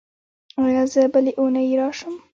ایا زه بلې اونۍ راشم؟